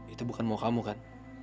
itu bukan mau kamu kan